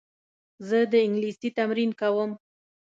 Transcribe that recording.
زه د انګلیسي تمرین کوم.